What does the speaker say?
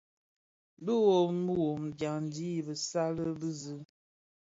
Dhi wom wom dyaňdi i bisal bize.